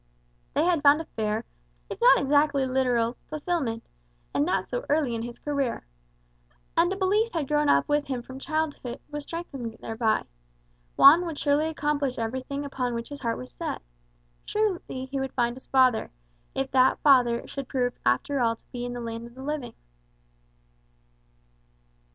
They had found a fair, if not exactly literal, fulfilment, and that so early in his career. And a belief that had grown up with him from childhood was strengthened thereby. Juan would surely accomplish everything upon which his heart was set. Certainly he would find his father if that father should prove to be after all in the land of the living.